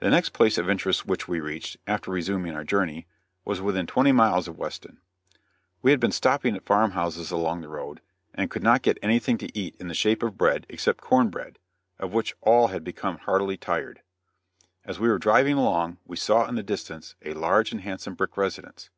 The next place of interest which we reached, after resuming our journey, was within twenty miles of Weston. We had been stopping at farm houses along the road, and could not get anything to eat in the shape of bread, except corn bread, of which all had become heartily tired. As we were driving along, we saw in the distance a large and handsome brick residence.